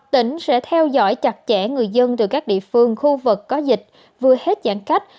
tỉnh sẽ theo dõi chặt chẽ người dân từ các địa phương khu vực có dịch vừa hết giãn cách